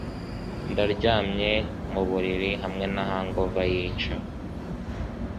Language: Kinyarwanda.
Ndaryamye mu buriri hamwe na hangover yica